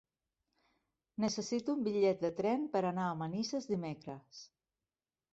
Necessito un bitllet de tren per anar a Manises dimecres.